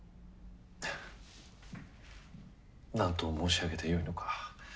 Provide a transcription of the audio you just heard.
何と申し上げてよいのか。